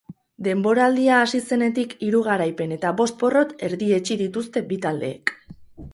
Denboraldia hasi zenetik hiru garaipen eta bost porrot erdietsi dituzte bi taldeek.